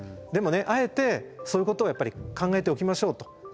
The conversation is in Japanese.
でもねあえてそういうことを考えておきましょうと。